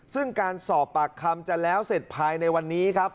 ซึ่งการสอบปากคำจะแล้วเสร็จภายในวันนี้ครับ